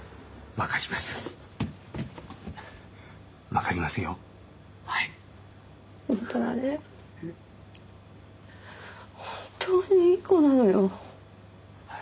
本当にいい子なのよ。